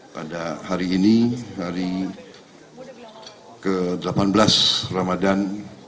pada hari ini hari ke delapan belas ramadan